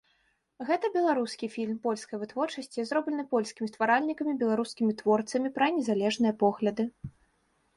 Гэта беларускі фільм польскай вытворчасці, зроблены польскімі стваральнікамі і беларускімі творцамі пра незалежныя погляды.